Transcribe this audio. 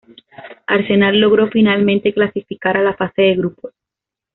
Arsenal logró finalmente clasificar a la fase de grupos.